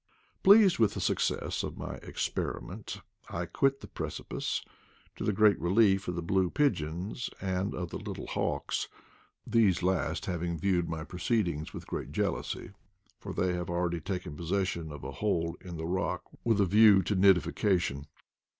^tMeased with the success of my experiment, I quit the precipice, to the great relief of the blue pigeons and of the little hawks; these last having viewed my proceedings with great jealousy, for they have already taken possession of a hole in the rock with a view to nidification.